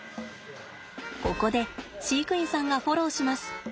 ここで飼育員さんがフォローします。